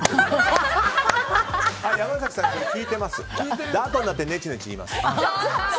山崎さんは聞いてます。